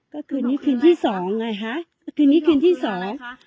ก็คืนนี้คืนที่สองไงฮะคืนนี้คืนที่สองนะคะ